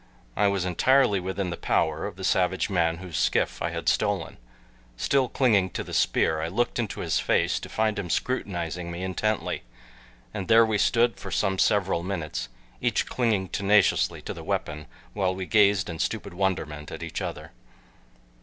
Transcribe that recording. I was entirely within the power of the savage man whose skiff I had stolen. Still clinging to the spear I looked into his face to find him scrutinizing me intently, and there we stood for some several minutes, each clinging tenaciously to the weapon the while we gazed in stupid wonderment at each other.